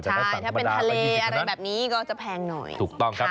ใช่ถ้าเป็นทะเลอะไรแบบนี้ก็อาจจะแพงหน่อย